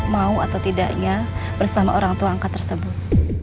mau atau tidaknya bersama orang tua angkat tersebut